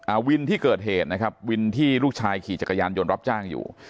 วินที่เกิดเหตุนะครับวินที่ลูกชายขี่จักรยานยนต์รับจ้างอยู่